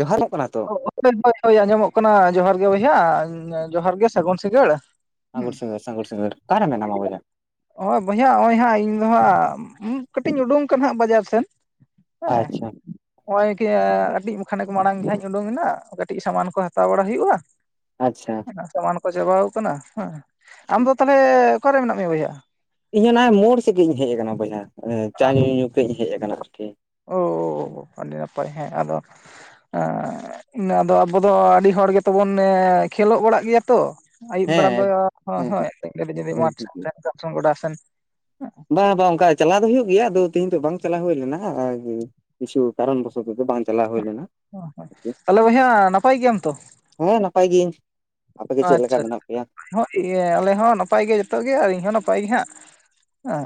ᱡᱚᱦᱟᱨᱚᱜ ᱠᱟᱱᱟ ᱛᱚ? ᱦᱳᱭ ᱦᱳᱭ ᱟᱸᱡᱚᱢᱚᱜ ᱠᱟᱱᱟ ᱡᱚᱦᱟᱨ ᱜᱮ, ᱵᱚᱭᱦᱟ ᱡᱚᱦᱟᱨ ᱜᱮ ᱥᱟᱹᱜᱩᱱ ᱥᱤᱸᱜᱟᱹᱲ᱾ ᱦᱩᱸ ᱥᱟᱹᱜᱩᱱ ᱥᱤᱜᱟᱹᱲ ᱥᱟᱹᱜᱩᱱ ᱥᱤᱜᱟᱹᱲ ᱚᱠᱟᱨᱮ ᱢᱮᱱᱟᱢᱟ ᱵᱟᱭᱦᱟ? ᱱᱚᱜᱼᱚᱭ ᱵᱚᱭᱦᱟ ᱱᱚᱜᱼᱚᱭ ᱦᱟᱸᱜ ᱤᱧ ᱫᱚᱬᱦᱟᱸᱜ ᱠᱟᱹᱴᱤᱡ ᱤᱧ ᱩᱰᱩᱝ ᱠᱟᱱᱟ ᱦᱟᱸᱜ ᱵᱟᱡᱟᱨ ᱥᱮᱱ᱾ ᱦᱮᱸ ᱟᱪᱪᱷᱟ ᱟᱪᱪᱷᱟ ᱱᱚᱜᱼᱚᱭ ᱠᱟᱹᱴᱤᱡ ᱵᱟ ᱠᱷᱟᱱᱮ ᱠᱚ ᱢᱟᱲᱟᱝ ᱜᱮ ᱦᱟᱸᱜ‌ ᱤᱧ ᱩᱰᱩᱝ ᱱᱟ ᱠᱟᱹᱴᱤᱡ ᱥᱟᱢᱟᱱ ᱠᱚ ᱦᱟᱛᱟᱣ ᱵᱟᱲᱟ ᱦᱩᱭᱩᱜᱼᱟ᱾ ᱟᱪᱪᱷᱟ᱾ ᱚᱱᱟ ᱥᱟᱢᱟᱱ ᱠᱚ ᱪᱟᱵᱟᱣ ᱠᱟᱱᱟ ᱦᱮᱸ, ᱟᱢᱫᱚ ᱛᱟᱦᱚᱞᱮ ᱚᱠᱟᱨᱮ ᱢᱮᱱᱟᱜ ᱢᱮᱭᱟ ᱵᱚᱭᱦᱟ? ᱤᱧ ᱦᱚᱸ ᱚᱱᱟ ᱢᱳᱲ ᱥᱮᱫᱜᱤᱧ ᱦᱮᱡ ᱟᱠᱟᱱᱟ ᱵᱚᱭᱦᱟ ᱮᱸᱪᱟ ᱧᱩ- ᱧᱩ ᱛᱮᱧ ᱦᱮᱡ ᱟᱠᱟᱱᱟ ᱟᱨᱠᱤ᱾ ᱳ-ᱳ-ᱳ, ᱟᱹᱰᱤ ᱱᱟᱯᱟᱭ ᱦᱮᱸ ᱟᱫᱚ ᱟ-ᱟ-ᱟ, ᱟᱫᱚ ᱟᱵᱚ ᱫᱚ ᱟᱹᱰᱤ ᱦᱚᱲ ᱜᱮᱛᱚ ᱵᱚᱱ ᱠᱷᱮᱹᱞᱳᱜ ᱵᱟᱲᱟᱜ ᱜᱮᱭᱟ ᱛᱚ? ᱟᱹᱭᱩᱵ ᱵᱮᱲᱟ ᱫᱚ ᱦᱮᱸ ᱦᱚ ᱦᱮᱸ ᱦᱚᱭ ᱠᱟᱹᱴᱤᱡ ᱡᱩᱫᱤ ᱦᱮᱸ ᱢᱟᱴ ᱜᱚᱰᱟ ᱥᱮᱱ, ᱦᱮᱸ᱾ ᱵᱟᱝ ᱵᱟᱝ ᱚᱱᱠᱟ ᱪᱟᱞᱟᱣ ᱫᱚ ᱦᱩᱭᱩᱜ ᱜᱮᱭᱟ ᱟᱫᱚ ᱛᱮᱹᱦᱤᱧ ᱫᱚ ᱵᱟᱝ ᱪᱟᱞᱟᱣ ᱦᱳᱭ ᱞᱮᱱᱟ ᱠᱤᱪᱷᱩ ᱠᱟᱨᱚᱱ ᱵᱚᱥᱚᱛ ᱛᱮ ᱵᱟᱝ ᱪᱟᱞᱟᱣ ᱦᱳᱭ ᱞᱮᱱᱟ᱾ [unintelligible] ᱛᱟᱞᱦᱮ ᱵᱚᱭᱦᱟ ᱱᱟᱯᱟᱭ ᱜᱮᱭᱟᱢ ᱛᱚ? ᱦᱮᱸ ᱱᱟᱯᱟᱭ ᱜᱤᱭᱟᱧ ᱾ ᱟᱯᱮ ᱜᱮ ᱪᱮᱜ ᱞᱮᱠᱟ ᱢᱮᱱᱟᱜ ᱯᱮᱭᱟ? ᱚ ᱤᱭᱟᱹ ᱟᱞᱮ ᱦᱚ ᱱᱟᱯᱟᱭ ᱜᱮ ᱡᱚᱛᱚ ᱜᱮ ᱟᱨ ᱤᱧᱦᱚᱸ ᱱᱟᱯᱟᱭ ᱜᱮ ᱦᱟᱸᱜ ᱾